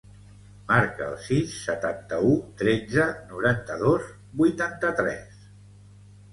Marca el sis, setanta-u, tretze, noranta-dos, vuitanta-tres.